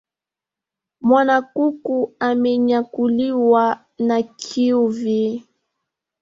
Mwanakuku amenyakuliwa na kiuvi